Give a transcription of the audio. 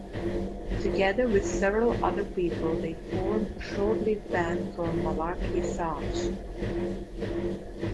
Together with several other people they formed a short-lived band called Malachi Sage.